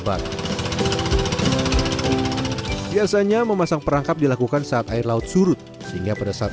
bar biasanya memasang perangkap dilakukan saat air laut surut sehingga pada saat